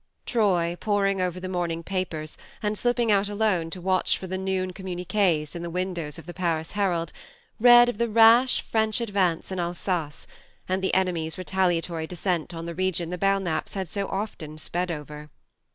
Troy, poring over the morning papers, and slipping out alone to watch for the noon communiques in the windows of the Paris Herald, read of the rash French advance in Alsace, and the enemy's retaliatory descent on the region the Belknaps had so often sped over.